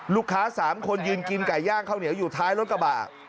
ลูกค้า๓คนยืนกินไก่ย่างเขาอยู่ท้ายรถกระบาด